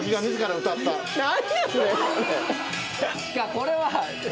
これは。